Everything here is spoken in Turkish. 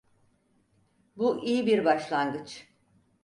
Bu iyi bir başlangıç.